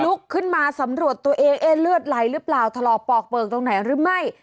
ลุกขึ้นมาสำรวจตัวเองเอ๊ะเลือดไหลหรือเปล่าถลอกปอกเปลือกตรงไหนหรือไม่